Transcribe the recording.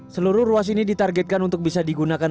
seluruh ruas ini ditargetkan untuk bisa digunakan